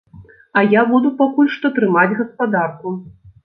А я буду пакуль што трымаць гаспадарку.